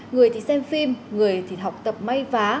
người thì xem phim người thì học tập may vá